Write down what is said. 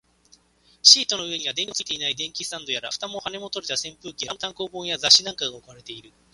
シートの上には、電球のついていない電気スタンドやら、蓋も羽も取れた扇風機やら、漫画の単行本や雑誌なんかが置かれている